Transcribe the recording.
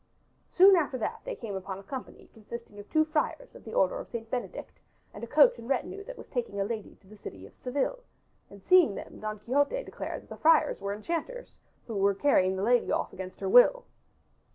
Soon after that they came upon a company consisting of two friars of the order of St. Benedict and a coach and retinue that was taking a lady to the City of Seville, and seeing them Don Quixote declared that the friars were enchanters who were carrying the lady off against her will.